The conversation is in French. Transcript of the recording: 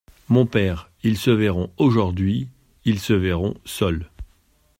Mon père, ils se verront aujourd’hui ; ils se verront seuls.